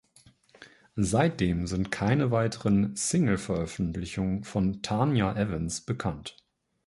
Seitdem sind keine weiteren Single-Veröffentlichungen von Tania Evans bekannt.